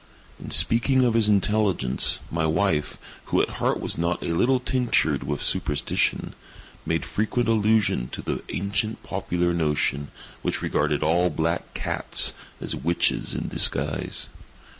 In speaking of his intelligence, my wife, who at heart was not a little tinctured with superstition, made frequent allusion to the ancient popular notion, which regarded all black cats as witches in disguise.